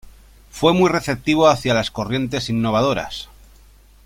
Fue muy receptivo hacia las corrientes innovadoras.